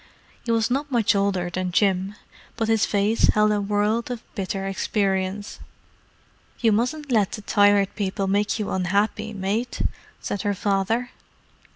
He was not much older than Jim, but his face held a world of bitter experience. "You mustn't let the Tired People make you unhappy, mate," said her father.